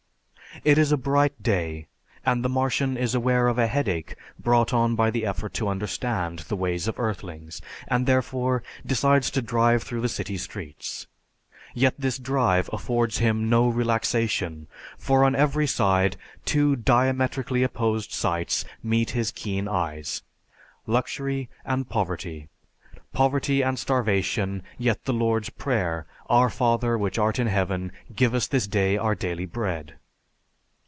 It is a bright day, and the Martian is aware of a head ache brought on by the effort to understand the ways of earthlings, and therefore decides to drive through the city streets. Yet this drive affords him no relaxation, for on every side two diametrically opposed sights meet his keen eyes luxury and poverty. Poverty and starvation, yet the Lord's Prayer: "Our Father which art in Heaven, give us this day our daily bread!"